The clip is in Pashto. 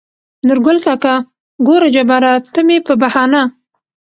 نورګل کاکا: ګوره جباره ته مې په بهانه